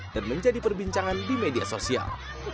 dan menjadi perbincangan di media sosial